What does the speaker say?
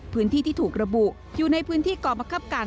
พื้นที่ที่ถูกระบุอยู่ในพื้นที่กรบังคับการ